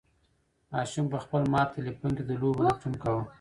ماشوم په خپل مات تلیفون کې د لوبو لټون کاوه.